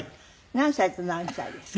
何歳と何歳ですか？